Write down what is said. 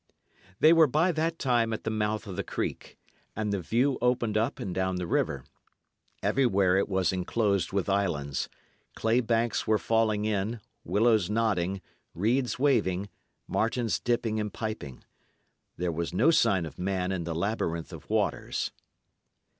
They were by that time at the mouth of the creek, and the view opened up and down the river. Everywhere it was enclosed with islands. Clay banks were falling in, willows nodding, reeds waving, martens dipping and piping. There was no sign of man in the labyrinth of waters.